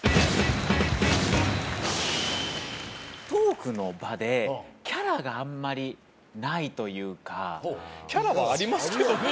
トークの場でキャラがあんまりないというかキャラはありますけどね